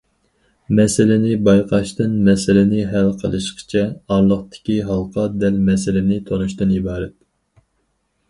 مەسىلىنى بايقاشتىن مەسىلىنى ھەل قىلىشقىچە، ئارىلىقتىكى ھالقا دەل مەسىلىنى تونۇشتىن ئىبارەت.